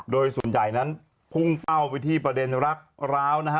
โดยส่วนใหญ่นั้นพุ่งเป้าไปที่ประเด็นรักร้าวนะฮะ